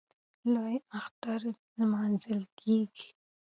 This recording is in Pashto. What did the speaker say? لوی اختر نماځل کېږي.